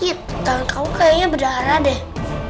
hip kamu kayaknya berdarah deh